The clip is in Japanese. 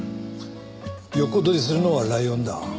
横取りするのはライオンだ。